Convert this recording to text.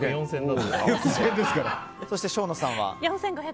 そして生野さんは？